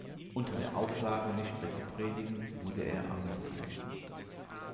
Unter der Auflage, nicht mehr zu predigen, wurde er amnestiert.